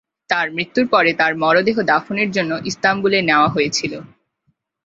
তার মৃত্যুর পরে তার মরদেহ দাফনের জন্য ইস্তাম্বুলে নেওয়া হয়েছিল।